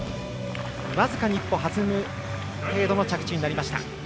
僅かに１歩弾む程度の着地になりました。